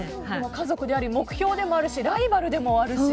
家族であり、目標でもあるしライバルでもあるし。